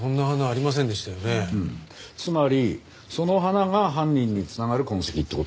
つまりその花が犯人に繋がる痕跡って事ね。